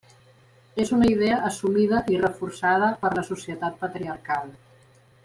És una idea assumida i reforçada per la societat patriarcal.